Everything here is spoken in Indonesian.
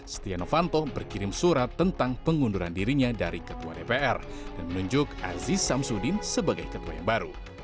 setia novanto berkirim surat tentang pengunduran dirinya dari ketua dpr dan menunjuk aziz samsudin sebagai ketua yang baru